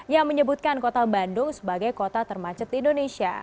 yang menyebutkan kota bandung sebagai kota termacet indonesia